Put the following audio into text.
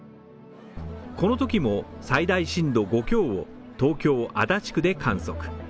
このときも、最大震度５強を東京・足立区で観測。